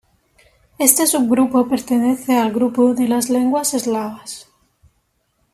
Este subgrupo pertenece al grupo de las lenguas eslavas.